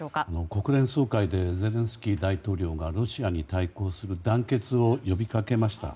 国連総会でゼレンスキー大統領がロシアに対抗する団結を呼びかけました。